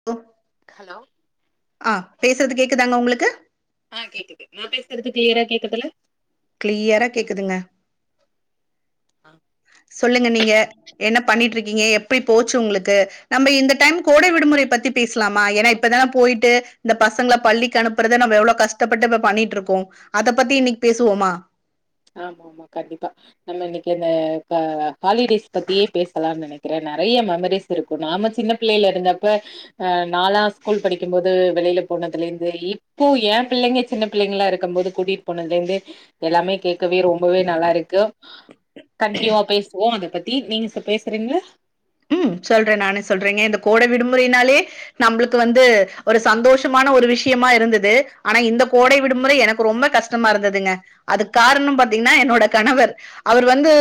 [inaudible] Hello ஆ பேசறது கேக்குதாங்க ஒங்களுக்கு ஆ கேக்குது நா பேசுறது இப்ப கிளியரா கேக்குதுல்ல கிளியரா கேக்குதுங்க சொல்லுங்க நீங்க என்ன பண்ணிட்டு இருக்கீங்க எப்பை போச்சு ஒங்களுக்கு நம்ம இந்த டைம் கோடை விடுமுறை பத்தி பேசலாமா ஏனா இப்பதான போயிட்டு இந்த பசங்கள பள்ளிக்கு அனுப் பறத நம்ம எவ்ளோ கஷ்டப்பட்டு இப்ப பண்ணிட்டு இருக்கோ அத பத்தி இன்னைக் பேசுவோமா ஆ கண்டிப்பா நம்ம இன்னைக்கு அந்த க ஹாலிடேஸ் பத்தியே பேசலான் நெனைக்கறே நெறைய மெமரிஸ் இருக்கு நாம சின்ன பிள்ளேல இருந்தப்ப அ நாலா ஸ்கூல் படிக்கும் போது வெளில போனதுல இருந்து இப் இப்போ ஏ பிள்ளைங்க சின்ன பிள்ளைங்களா இருக்கம் போது கூட்டிட் போனதுல இருந்து எல்லாமே கேக் கவே ரொம்பவே நல்லா இருக்கு கண்டினியூவா பேசுவோ அத பத்தி நீங்க ச பேசறீங்களா ம் சொல்றே நானே சொல்றேங்க இந்த கோடை விடுமுறைனாலே நம்மளுக்கு வந்து ஒரு சந்தோஷமான ஒரு விஷயமா இருந்தது ஆனா இந்த கோடை விடுமுறை எனக்கு ரொம்ப கஷ் டமா இருந்ததுங்க அதுக்கு காரணோ பாத்தீங்கன்னா என்னோட கணவர் அவர் வந்து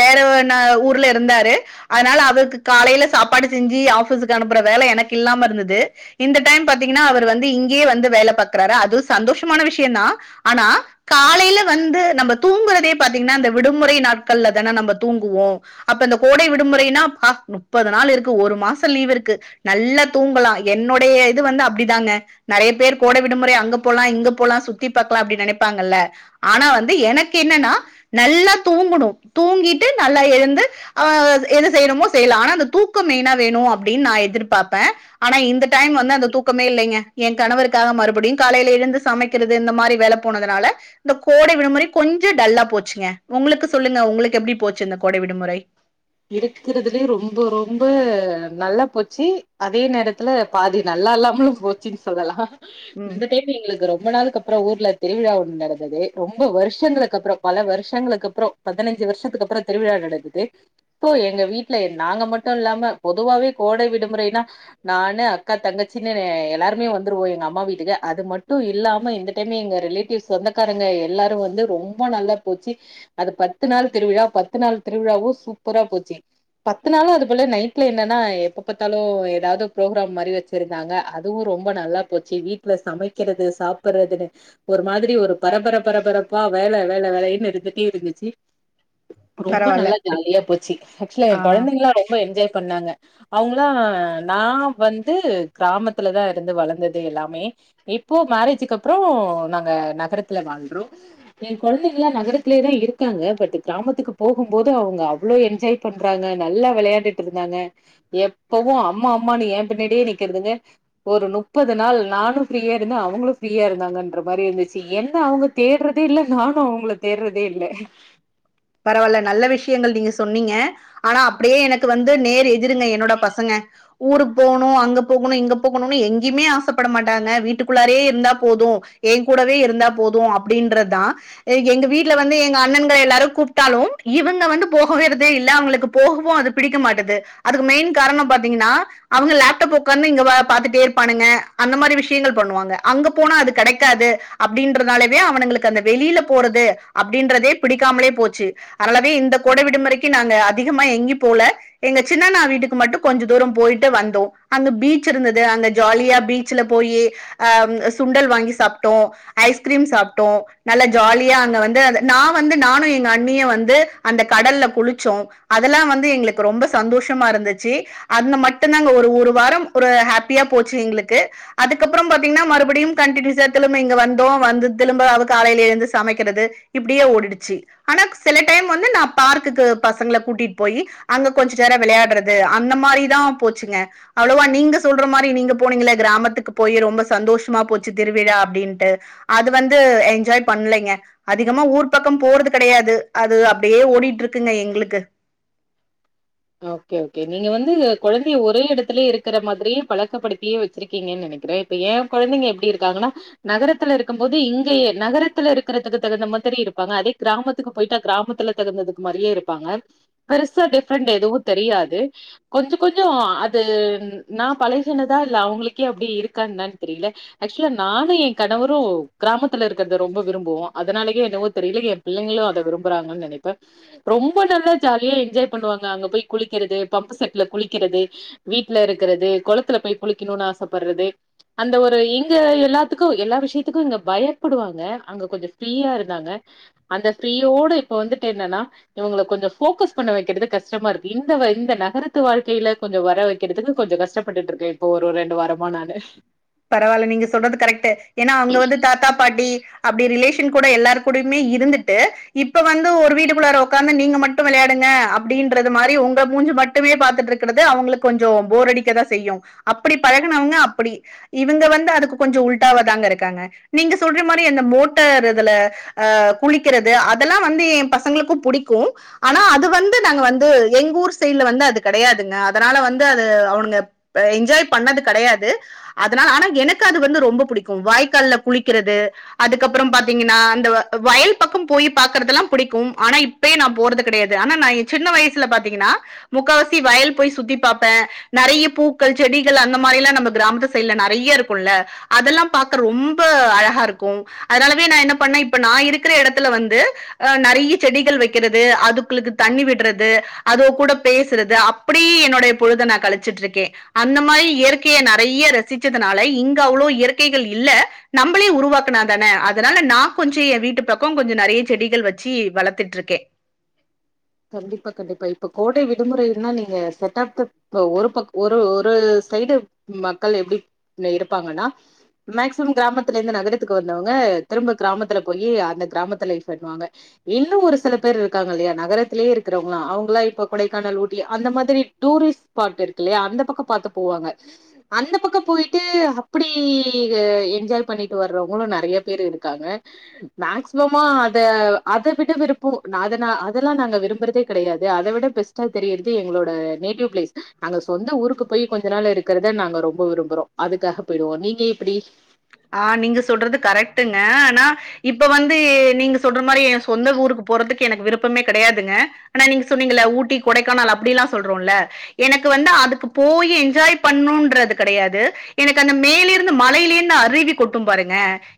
வேற ந ஊர்ல இருந்தாரு அதுனால அவருக்கு காலேல சாப்பாடு செஞ்சு ஆஃபிஸ்க்கு அனுப்புற வேல எனக்கு இல்லாம இருந்தது இந்த டைம் பாத்தீங்கன்னா அவர் வந்து இங்கயே வந்து வேல பாக்குறாரு அது சந்தோஷமான விஷயந்தா ஆனா காலேல வந்து நம்ம தூங்குறதே பாத்தீங்கன்னா அந்த விடுமுறை நாட்கள்ல தான நம்ம தூங்குவோ அப்ப இந்த கோடை விடுமுறைனா பா முப்பது நாள் இருக்கு ஒரு மாச லீவ் இருக்கு நல்ல தூங்கலா என்னுடைய இது வந்து அப்டிதாங்க நெறைய பேர் கோடை விடுமுறை அங்க போலா இங்க போலா சுத்தி பாக்கலா அப்டி நெனைப்பாங்கல்ல ஆனா வந்து எனக்கு என்னனா நல்லா தூங்கணு தூங்கிட்டு நல்லா எழுந்து அ என்ன செய்யணுமோ செய்யலா ஆனா அந்த தூக்கோ மெய்னா வேணு அப்டின் நா எதிர்பாப்பே ஆனா இந்த டைம் வந்து அந்த தூக்கமே இல்லைங்க எ கணவருக்காக மறுபடியு காலேல எழுந்து சமை கிறது இந்த மாரி வேல போனதுனால இந்த கோடை விடுமுறை கொஞ்ச டல்லா போச்சுங்க ஒங்களுக்கு சொல்லுங்க ஒங்களுக்கு எப்டி போச்சு இந்த கோடை விடுமுறை இருக்கறதுலயே ரொம்ப ரொம்ப நல்லா போச்சு அதே நேரத்துல பாதி நல்லா இல்லாமலு போச்சுன் சொல்லலா ம். இந்த டைம் எங்களுக்கு ரொம் ரொம்ப நாளுக்கு அப்பறோ ஊர்ல திருவிழா ஒன்னு நடந்தது ரொம்ப வருஷங்களுக்கு அப்பறோ பல வருஷங்களுக்கு அப்பறோ பதனஞ்சு வருஷத்துக்கு அப்பறோ திருவிழா நடந்தது இப்போ எங்க வீட்ல நாங்க மட்டு இல்லாம பொதுவாவே கோடை விடுமுறைனா நானு அக்கா தங்கச்சின்னு எல்லாருமே வந்துருவோ எங்க அம்மா வீட்டுக்கு அது மட்டு இல்லாம இந்த டைம் எங்க ரிலேட் டிப்ஸ் சொந்தக்காரவங்க எல்லாரு வந்து ரொம்ப நல்லா போச்சு அது பத்து நாள் திருவிழா பத்து நாள் திருவிழாவு சூப்பரா போச்சு பத்து நாளு அதுகுல நைட்ல என்னன்னா எப்ப பாத்தாலு ஏதாவது ப்ரோக்ராம் மாதிரி வச்சு ருந்தாங்க அதுவும் ரொம்ப நல்லா போச்சு வீட்ல சமைக்கிறது சாப்ட்றது ஒரு மாதிரி ஒரு பரபர பரபரப்பா வேலை வேலை வேலைன்னு இருந்துட்டே இருந்துச்சு ரொம்ப பரவால்ல. நல்லா ஜாலியா போச்சு ஆக்சுவல ஆ. கொழந்தைங்க எல்லா ரொம்ப என்ஜாய் பண்ணாங்க அவுங்களா நா வந்து கிராமத்துலதான் இருந்து வளர்ந்தது எல்லாமே இப்போ மேரேஜ்க்கு அப்றோ நாங்க நகரத்துல வாழ்றோம் ஏ கொழந்தங்களா நகரத்துலயே தா இருக்காங்க பட் கிராமத்துக்கு போகும் போது அவுங்க அவ் வளோ என்ஜாய் பண்றாங்க நல்லா வெளையாண்டுட்டு இருந்தாங்க எப்பவும் அம்மா அம்மானு ஏ பிண்ணடியே நிக்கர்துங்க ஒரு முப்பது நாள் நானும் ஃப்ரீயா இருந்தேன் அவுங்களும் ஃப்ரீயா இருந்தாங்கன்ற மாரி இருந்துச்சு என்ன அவுங்க தேட்றதே இல்ல நானும் அவுங்கள தேட்றதே இல்லை பரவாயில்ல நல்ல விஷயங்கள் நீங்க சொன்னிங்க ஆனா அப்டியே எனக்கு வந்து நேர் எதிருங்க என்னோட பசங்க ஊருக்கு போகணும் அங்க போகணும் இங்க போகணும்னு எங்கேயுமே ஆசைப்பட மாட்டாங்க வீட்டுக்குள்ளாரே இருந்தா போதும் என் கூடவே இருந்தா போதும் அப்டின்றதுதான் எங்க வீட்ல வந்து எங்க அண்ணன்க எல்லாரும் கூப்பு ட்டாலும் இவுங்க வந்து போகவேரதே இல்ல அவுங்களுக்கு போகவும் அது பிடிக்க மாட்டது அதுக்கு மெயின் காரணம் பாத்தீங்கன்னா அவுங்க லேப்டாப் உக்காந்து இங்க பாத்துட்டே இருப்பானுங்க அந்த மாரி விஷயங்கள் பண்ணுவாங்க அங்க போனா அது கெடைக்காது அப்டின்றதுனாலவே அவனுங்களுக்கு அந்த வெளில போறது அப்டின்றதே பிடிக்காமலே போச்சு ச்சு அதுனாலவே இந்த கொடை விடுமுறைக்கு நாங்க அதிகமா எங்கேயும் போல எங்க சின்னண்ணா வீட்டுக்கு மட்டும் கொஞ்ச தூரம் போயிட்டு வந்தோம் அங்க பீச் இருந்தது அங்க ஜாலியா பீச் ச்சுல போயி அ சுண்டல் வாங்கி சாப்ட்டோம் ஐஸ்கிரீம் சாப்ட்டோம் நல்லா ஜாலியா அங்க வந்து நா வந்து நானும் எங்க அண் ணியு வந்து அந்த கடல்ல குளிச்சோம் அதெல்லாம் வந்து எங்களுக்கு ரொம்ப சந்தோஷமா இருந்துச்சு அந்த மட்டுதான்ங்க ஒரு வாரம் ஒரு ஹாப்பியா போச்சு எங்களுக்கு அதுக்கப்புறம் பாத்தீங்கன்னா மறுபடியும் கண்டினியூஸா திரும்ப இங்க வந்தோம் வந்து திரும்ப அவுங்களுக்கு காலைல எழுந்து சமைக்கிறது இப்டியே ஓடிடுச்சு ஆனா சில டைம் வந்து நான் பார்க்குக்கு பசங்களை கூட்டிட்டு போய் அங்க கொஞ்சநேரம் விளையாடுறது அந்த மாரிதான் போச்சுங்க அவ்ளவா‌ நீங்க சொல்ற மாரி நீங்க போனீங்கள கிராமத்துக்கு போய் ரொம்ப சந்தோஷமா போச்சு திருவிழா அப்டின்ட்டு அது வந்து என்ஜாய் பண்ணலைங்க அதிகமா ஊர் பக்கம் போறது கெடையாது அது அப்டியே ஓடிட்டுயிருக்குங்க எங்களுக்கு ஓகே ஓகே நீங்க வந்து கெழந்தைய ஒரே இடத்துலயே இருக்க மாதிரியே பழக்கப்படுத்தியே வச்சிருக்கீங்கன்னு நெனைக்கிறேன் ஏ கெழந்தைங்க எப்டி இருக்காங்கன்னா நகரத்தில இருக்கும் போது இங்கே நகரத்தில் இருக்கிறதுக்கு தகுந்த மாதிரி இருப்பாங்க அதே கிராமத்துக்கு போயிட்டா கிராமத்தில தகுந்ததுக்கு மாதிரியே இருப்பாங்க பெருசா டிப்ரண்ட் எதுவும் தெரியாது கொஞ்சோ கொஞ்சோ அது நா பழகினதா இல்ல அவங்களுக்கே அப்டி இருக்கு தான்னு தெரில ஆக்சுவலா நானு எ கணவரும் கிராமத்துல இருக்கறத ரொம்ப விரும்புவோம் அதனாலயே என்ன தெரில ஏ பிள்ளைங்களும் அத விரும்புறாங்கன்னு நெனப்பே ரொம்ப நல்லா ஜாலியா என்ஜாய் பண்ணுவாங்க அங்க போய் குளிக்கிறது பம்பு செட்ல குளிக்கிறது வீட்ல இருக்கறது குளத்துல போய் குழிக்கணும்னு ஆசைப்படுறது அந்த ஒரு இங்க எல்லாத்துக்கு எல்லா விஷயத்துக்கு இங்க பயப்படுவாங்க அங்க கொஞ்ச ஃப்ரீயா இருந்தாங்க அந்த ஃப்ரீயோட இப்ப வந்துட்டு என்னன்னா இவங்கள கொஞ்சோ போக்கஸ் பண்ண வைக்கிறது கஷ்டமா இருக்கு இந்த வயசுலா இந்த நகரத்து வாழ்க்கையில கொஞ்ச வர வைக்கிறதுக்கு கொஞ்சோ கஷ்டப்பட்டுட்டு இருக்கு போ ஒரு ரெண்டு வாரமா நானு பரவால்ல நீங்க சொல்றது கரெக்ட்டு ஏன்னா அங்க வந்து தாத்தா பாட்டி அப்டி ரிலேஷன் கூட எல்லார் கூடயுமே இருந்துட்டு இப்ப வந்து ஒரு வீட்டுக்குள்ளார ஒக்காந்து நீங்க மட்டு வெள்யாடுங்க அப்டின்றது மாரி ஒங்க மூஞ்சு மட் டுமே பாத்துட்ருக்குறது அவங்ளுக் கொஞ்சோ போர் அடிக்கதா செய்யு அப்புடி பழகுனவுங்க அப்புடி இவுங்க வந்து அதுக்கு கொஞ்சோ உளட்டாவதாங்க இருக்காங்க நீங்க சொல்ற மாரி அந்த மோட்டர் இதுல அ குளிக்கிறது அதல்லா வந்து ஏ பசங்ளுக்கு புடிக்கு ஆனா அது வந்து நாங்க வந்து எங் ஊர் சைட்ல வந்து அது கடையாதுங்க அதனால வந்து அது அவுனுங்க ப என்ஜாய் பண்ணது கடையாது அதுனால ஆனா எனக்கு அது வந்து ரொம்ப புடிக்கு வாய்க்கால்ல குளிக்கிறது அதுக்கப்புற பாத்தீங்ன்னா அந்த வயல் பக்க போயி பாக்கற்தல்லா புடிக்கு ஆனா இப் பே நா போறது கடையாது ஆனா நா ஏ சின்ன வய்சுல பாத்தீங்கன்னா முக்காவாசி வயல் போய் சுத்தி பாப்பே நறைய பூக்கள் செடிகள் அந்த மாரி எல்லா நம்ம கிராமத்து செய்ட்ல நறைய இருக்குல்ல அதல்லா பாக்க ரொம்ப அழகாருக்கு அதுனாலவே நா என்ன பண்ண இப்ப நா இருக்குற எடத்துல வந்து அ நறைய செடிகள் வக்கிறது அதுக்குளுக்கு தண்ணி விட்றது அதுவோ கூட பேசுறது அப் பிடி என்னோடைய பொழுத நா கழிச்சிட்ருக்கே அந்த மாயி இயற்கைய நறைய ர சிச்சதுனால இங்க அவுளோ இயற்கைகள் இல்ல நம்பளே உருவாக்குனா தான அதனால நா கொஞ்ச ஏ வீட்டு பக்க கொஞ்ச நறைய செடிகள் வச்சி வளத்துட்ருக்கே கண்டிப்பா கண்டிப்பா இப்ப கோடை விடுமுறைன்னா நீங்க செட்டாப்த ப்ப ஒரு பக் ஒரு ஒரு சைடு மக்கள் எப்டி இருப்பாங்கன்னா மேக்சிமம் கிராமத்துலேந்து நகரத்துக்கு வந்தவுங்க திரும்ப கிராமத்துல போயி அந்த கிராமத்து லைஃப் என்னுவாங்க இன்னு ஒரு சில பேர் இருக்காங்க இல்லயா நகரத் துலே இருக்குறவுங்ளா அவுங்குளா இப்ப கொடைக்கானல் ஊட்டி அந்த மாதுரி டூரிஸ்ட் ஸ்பாட் இருக்குல்யா அந்த பக்க பாத்து பூவாங்க அந்த பக்க போயிட்டு அப்புடி என்ஜாய் பண்ணிட்டு வர்றவுங்களு நறைய பேரு இருக்காங்க மேக்சிமமா அத அத விட விருப்பு அத அதல்லா நாங்க விப் டும்புறதே கடையாது அத விட பெஸ்ட்டா தெரியற்து எங்ளோட நேட்டிவ் ப்ளேஸ் நாங்க சொந்த ஊருக்கு போய் கொஞ்ச நாள் இருக் கிறுத நாங்க ரொம்ப விரும்புறோ அதுக்காக பொய்டுவோ நீங்க எப்புடி ஆ நீங்க சொல்றது கரெக்டுங்க ஆனா இப்ப வந்து நீங்கு சொல்ற மாரி ஏ சொந்த ஊருக்கு போறதுக்கு எனக்கு விருப்பமே கடையாதுங்க ஆனா நீங்க சொன்னீங்கல்ல ஊட்டி கொடைக்கானல் அப்புடி எல்லா சொல்றோல்ல எனக்கு வந்து அதுக்கு போயி என்ஜாய் பண்ணுன்றது கடையாது எனக்கு அந்த மேலிருந்து மலையிலேந்து அரிவி கொட்டும் பாருங்க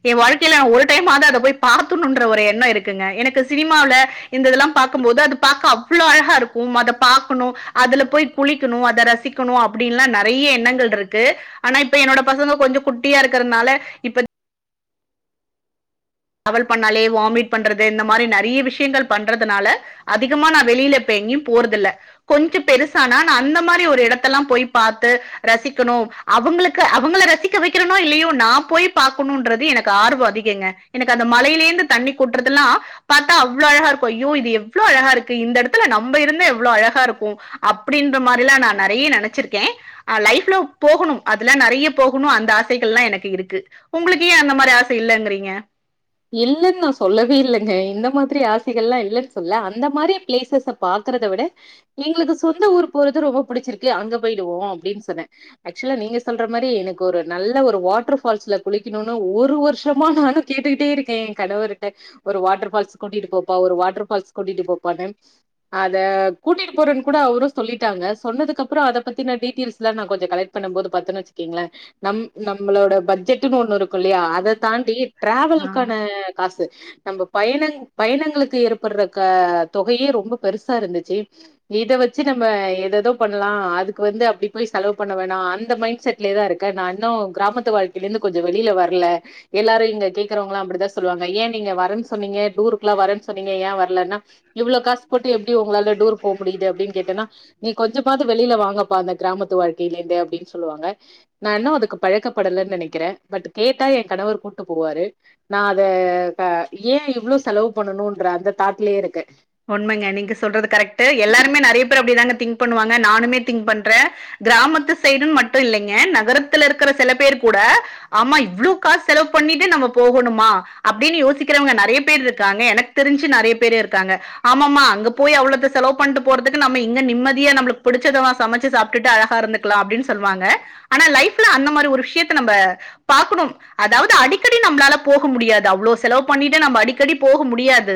ஏ வாழ்க்கையில நா ஒரு டைம்மாது அத போய் பாத்துர்ணுன்ற ஒரு எண்ணோ இருக்குங்க எனக்கு சினிமாவுல இந்த இதுல்லா பாக்கம்போது அது பாக்க அவ்ளோ அழகா இருக்கு அத பாக்குணு அதுல போய் குளிக்குணு அத ரசிக்குணு அப்புடின்லா நறைய எண்ணங்கள்ருக்கு அனா இப்ப என்னோட பசங்க கொஞ்சோ குட்டியாருக் கறுனால இப்ப அவல் பண்ணாலே வாமிட் பண்றது இந்த மாரி நறைய விஷ்யங்கள் பண்றதுனால அதிகமா நா வெளில இப்ப எங்யு போற்துல்ல கொஞ்ச பெருசானா நா அந்த மாரி ஒரு எடத்தல்ள பொய் பாத்து ரசிக்கணு அவுங்ளுக்கு அவுங்கள ரசிக்க வக்கிறனோ இல்லயோ நா போய் பாக்கணுன்றது எனக் கார்வு அதிகங்க எனக்கு அந்த மலையிலேந்து தண்ணி கொட்றதுல்லா பாத்தா அவ்ளோ அழகா இருக்கு ஐயோ இது எவ்ளோ அழகா இருக்கு இந்த எடத்துல நம்ப இருந்தா எவ்ளோ அழகா இருக்கு அப்டின்ற மாரில்லா நா நறைய நெனச்சிருக்கே ஆ லைஃப்ல போகணும் அதுலா நறைய போகணும் அந்த ஆசைகள்லா எனக்கு இருக்கு உங்களுக்கு ஏன் அந்த மாரி ஆசை இல்லங்கிறீங்க இல்லன்னு நா சொல்லவே இல்லங்க இந்த மாதிரி ஆசைகள்லா இல்லன்னு சொல்ல அந்த மாதிரி பிளேசஸ் பாக்குறத விட எங்களுக்கு சொந்த ஊரு போறது ரொம்ப புடிச்சிருக்கு அங்க போயிடுவோம் அப்டி சொன்னேன் ஆக்சுவலா நீங்க சொல்ற மாரி எனக்கு ஒரு நல்ல ஒரு வாட்டர் பால்ஸ்ல குளிக்கணும்னு ஒரு வருஷமா நானும் கேட் கிட்டே இருக்கேன் கணவர்ட ஒரு வாட்டர் ஃபால்ஸ் கூட்டிட்டு போப்பா ஒரு வாட்டர் ஃபால்ஸ்க்கு கூட்டிட்டு போப்பான்னு அத கூட்டிட்டு போறன்னு கூட அவரும் சொல்லிட்டாங்க சொன்னதுக்கு அப்றோ அத பத்தின டீடைல்ஸ்லாம் நா கொஞ்சம் கலெக்ட் பண்ணும் போது பாத்தன்னு வச்சுக்கீங்களேன் நம் நம்மளோட பட்ஜெட்ன்னு ஒண்ணு இருக்கும் இல்லயா அத தாண்டி ஆ ட்ராவல்காண காசு நம்ம பயணங் பயணங்களுக்கு ஏற்படுற க தொகையே ரொம்ப பெருசா இருந்துச்சி இத வச்சு நம்ம ஏதேதோ பண்ணலா அதுக்கு வந்து அப்டி போய் செலவு பண்ண வேணாம் அந்த மைண்ட் செட் அதிலே தா இருக்கன் நா இன்னும் கிராமத்து வாழ்க்கையில இருந்து கொஞ்சம் வெளில வரல எல்லாரும் இங் கேக்குறவங்களா அப்டிதா சொல்லுவாங்க ஏன் நீங்க வரன்னு சொன்னீங்க டூருக்குல வரேன்னு சொன்னீங்க ஏன் வரலன்னா இவ்ளோ காசு போட்டு எப்டி உங்களால டூர் போக முடியுது அப்டின்னு கேட்டேன்னா நீங்க கொஞ்சமாது வெளில வாங்கப்பா அந்த கிராமத்து வாழ்க்கையில இருந்து அப்டின்னு சொல்லுவாங்க நா இன்னும் அதுக்கு பழக்கப்படலைன்னு நினைக்கிறேன் பட் கேட்டா என் கணவர் கூட்டு போவாரு நா அத இப்ப ஏன் இவ்ளோ செலவு பண்ணணும் அந்த தாட்டுலயே இருக்கேன் உண்மைங்க நீங்க சொல்றது கரெக்ட் எல்லாருமே நெறைய பேரு அப்டிதாங்க திங் பண்ணுவாங்க நானுமே திங் பண்றேன் கிராமத்து சைடுன்னு மட்டும் இல்லங்க நகரத்துல இருக்கிற சில பேர் கூட ஆமா இவ்ளோ காசு செலவு பண்ணிட்டு நம்ம போகணுமா அப்டின்னு யோசிக்கிற நெறைய பேர் இருக்காங்க எனக்கு தெரிஞ்சு நெறைய பேர் இருக்காங்க ஆமாமா அங்க போய் அவ்ளோ செலவு பண்ணிட்டு போறதுக்கு நம்ம இங்க நிம்மதிய நம்மளுக்கு புடிச்சதலா சமைச்சி சாப்ட்டுட்டு அழகா இருந் லாம் அப்டின்னு சொல்லுவாங்க ஆனா லைஃப்ல அந்த மாரி ஒரு விஷயத்தை நம்ம பாக்கணும் அதாது அடிக்கடி நம்மளால போக முடியாது அவ்ளோ செலவு பண்ணிட்டு நம்ம அடிக்கடி போக முடியாது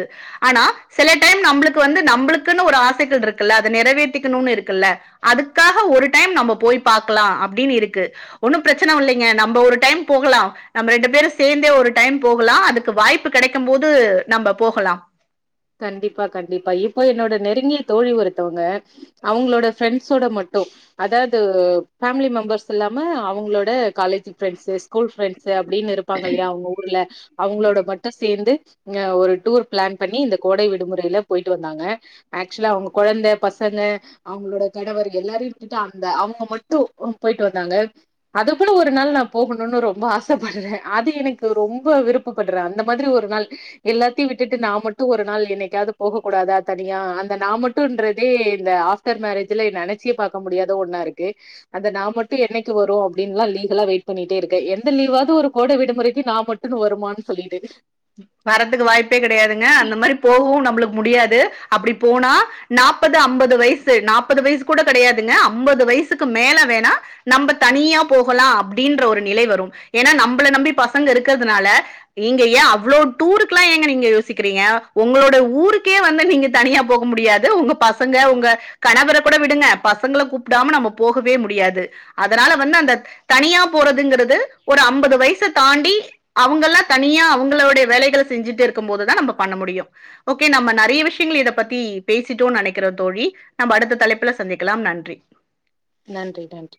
ஆனா சில டைம் நம்மளுக்கு வந்து நம்மளுக்குன்னு ஒரு ஆசைகள் இருக்குல்ல அத நிறைவேத்திக்கணும்னு இருக்குல்ல அதுக்காக ஒரு டைம் நம்ம போய் பாக்கலாம் அப்டின்னு இருக்கு ஒன்னும் பிரச்சனை இல்லங்க நம்ம ஒரு டைம் போகலாம் நம்ம ரெண்டு பேரும் சேந்தே ஒரு டைம் போகலாம் அதுக்கு வாய்ப்பு கிடைக்கும் போது நம்ம போகலாம் கண்டிப்பா கண்டிப்பா இப்போ என்னோட நெருங்கிய தோழி ஒருத்தோங்க அவங்களோட ஃப்ரெண்ட்ஸ் ஒட மட்டும் அதாது ஃபேமிலி மெம்பர்ஸ் இல்லாம அவங்ளோட காலேஜ் ஃப்ரெண்ட்ஸ் ஸ்கூல் ஃபிரண்ட்ஸ் அப்டின்னு இருப்பாங்க இல்லயா அவங்க ஊர்ல அவங்களோட மட்டும் சேர்ந்து இங்க ஒரு டூர் பிளான் பண்ணி இந்த கோடை விடுமுறையில போயிட்டு வந்தாங்க ஆக்சுவலா அவுங்க கொழந்த பசங்க அவுங்களோட கணவர் எல்லாரையும் விட்டுட்டு அந்த அவுங்க மட்டும் போயிட்டு வந்தாங்க அது போல ஒரு நாள் நா போகணும்னு ரொம்ப ஆசை படுறேன் அது எனக்கு ரொம்ப விருப் படுறேன் அந்த மாதிரி ஒரு நாள் எல்லாத்தையும் விட்டுட்டு நா மட் டும் ஒரு நாள் என்னைக்காவது போகக்க கூடாதா தனியா அந்த நா மட்டும்ன்றதே இந்த ஆ ப்டர் மேரேஜ்ல நெனைச்சியே பாக்க முடியாத ஒன்னா இருக்கு அந்த நா மட்டும் என்னைக்கு வரும் அப்டின்னு லீகலா வெயிட் பண்ணிட்டே இருக்கேன் எந்த லீவாது ஒரு கோடை விடுமுறைக்கு நா மட்டும் வருமானான்னு சொல்லிட்டு வரத்துக்கு வாய்ப்பே கிடையாதுங்க அந்த மாதிரி போகவும் நம்மளுக்கு முடியாது அப்டி போனா நாப்பது அம்பது வயசு நாப்பது வயசு கூட கிடையாதுங்க அம்பது வயசுக்கு மேல வேணா நம்ம தனியா போகலா அப்டின்ற ஒரு நிலை வரும் ஏன்னா நம்மள நம்பி பசங்க இருக்கிறதுனால இங்கயே அவ் அவ்ளோ டூருக்குல்லா ஏங்க நீங்க யோசிக்கிறீங்க உங்களோட ஊருக்கே வந்து நீங்க தனியா போக முடியாது உங்க பச பசங்க உங்க கணவர கூட விடுங்க பசங்கள கூப்டாம நம்ம போகவே முடியாது அதனால வந்து அந்த தனியா போறதுங்றது ஒரு அம்பது வயச தாண்டி அவங்க எல்லாம் தனியா அவங்கள்ளா தனியா அவங்களோடய வேலைகள செஞ்சிட்டு இருக்கும் போது தா நம்ம பண்ண முடியும் ஓகே நம்ம நெறைய விஷ்யங்கள் இத பத்தி பேசிட்டோம்னு நெனைக்றோ தோழி நம்ம அடுத்த தலைப்புல சந்திக்கலாம் நன்றி நன்றி நன்றி